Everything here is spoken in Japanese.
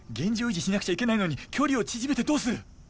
維持しなくちゃいけないのに距離を縮めてどうする！